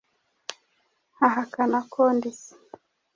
Ahakana ko ndi se